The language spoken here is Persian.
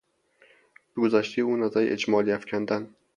به گذشتهی او نظری اجمالی افکندن